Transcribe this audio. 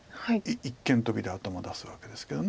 一間トビで頭出すわけですけど。